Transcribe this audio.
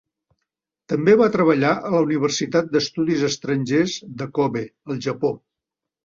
També va treballar a la Universitat d'Estudis Estrangers de Kobe, al Japó.